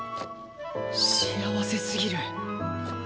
幸せすぎる